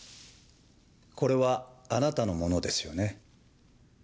これはあなたのものですよね？